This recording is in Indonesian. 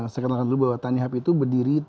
saya kenalkan dulu bahwa tanihub itu berdiri